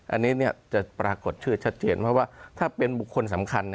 อันนี้จะปรากฏชื่อชัดเจนเพราะว่าถ้าเป็นบุคคลสำคัญ